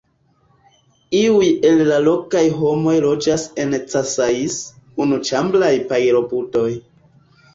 Iuj el la lokaj homoj loĝas en casais, unuĉambraj pajlobudoj.